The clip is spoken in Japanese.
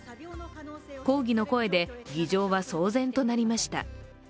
抗議の声で議場は騒然となりました。